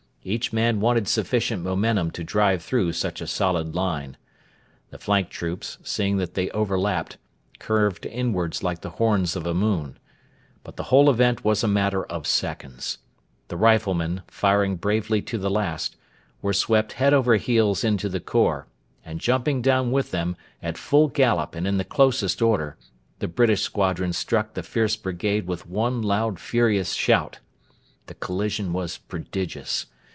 Each man wanted sufficient momentum to drive through such a solid line. The flank troops, seeing that they overlapped, curved inwards like the horns of a moon. But the whole event was a matter of seconds. The riflemen, firing bravely to the last, were swept head over heels into the khor, and jumping down with them, at full gallop and in the closest order, the British squadrons struck the fierce brigade with one loud furious shout. The collision was prodigious.